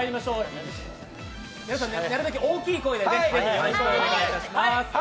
皆さんなるべく大きい声でぜひお願いいたします。